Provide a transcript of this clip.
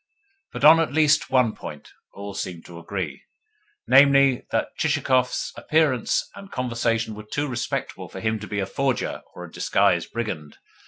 But on at least one point all seemed to agree namely, that Chichikov's appearance and conversation were too respectable for him to be a forger or a disguised brigand.